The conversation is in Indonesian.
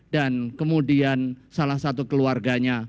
dan kemudian salah satu keluarganya